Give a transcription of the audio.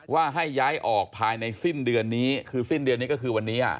ว่าให้ย้ายออกภายในสิ้นเดือนนี้คือสิ้นเดือนนี้ก็คือวันนี้